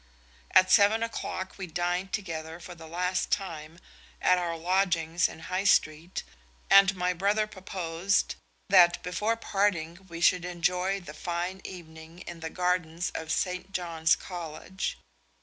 At seven o'clock we dined together for the last time at our lodgings in High Street, and my brother proposed that before parting we should enjoy the fine evening in the gardens of St. John's College.